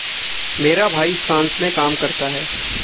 मेरा भाई फ़्रांस में काम करता है।